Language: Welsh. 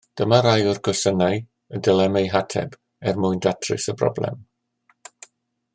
Dyma rai o'r cwestiynau y dylem eu hateb er mwyn datrys y broblem.